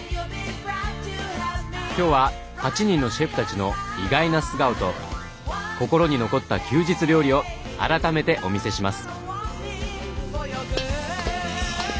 今日は８人のシェフたちの意外な素顔と心に残った休日料理をあらためてお見せします。